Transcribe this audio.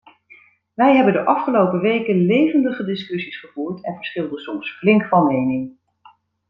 Wij hebben de afgelopen weken levendige discussies gevoerd en verschilden soms flink van mening.